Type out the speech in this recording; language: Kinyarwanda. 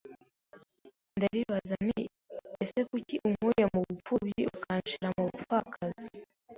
ndaribaza nti ese kuki unkuye mu bupfubyi ukanshira mu bupfakazi?